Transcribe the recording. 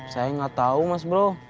saya enggak tau mas bro